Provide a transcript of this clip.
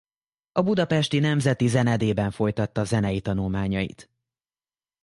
A budapesti Nemzeti Zenedében folytatta zenei tanulmányait.